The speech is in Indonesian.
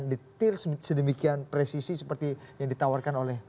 sedemikian detail sedemikian presisi seperti yang ditawarkan oleh pak susi